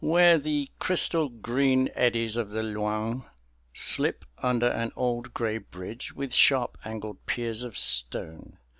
where the crystal green eddies of the Loing slip under an old gray bridge with sharp angled piers of stone.